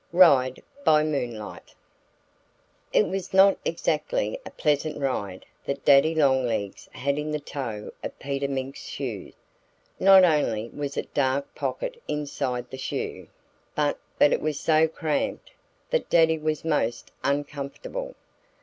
X RIDE BY MOONLIGHT IT was not exactly a pleasant ride that Daddy Longlegs had in the toe of Peter Mink's shoe. Not only was it dark pocket inside the shoe, but it was so cramped that Daddy was most uncomfortable.